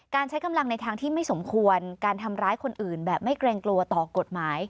ใช้กำลังในทางที่ไม่สมควรการทำร้ายคนอื่นแบบไม่เกรงกลัวต่อกฎหมาย